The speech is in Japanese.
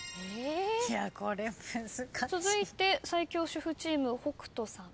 続いて最強主婦チーム北斗さん。